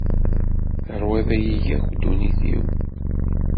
Terwiḍ-iyi akk ddunit-iw.